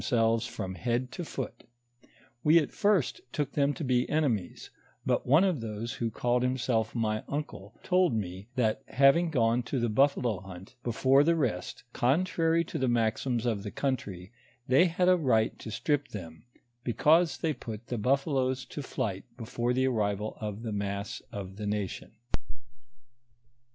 135 selves from bend to foot ; we at first took them to be eneniios, but one of those who called himself my uncle, told me, that having gone to the buffalo hunt before the rest, contrary to the maxims of the country, they had a right to strip tliein, because they put the buffaloes to flight before the arrival of the mass of the nation.